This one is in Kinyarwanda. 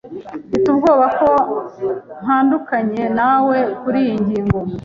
Mfite ubwoba ko ntandukanye nawe kuriyi ngingo.